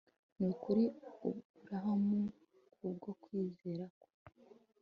kuri aburahamu, ku bwo kwizera kwe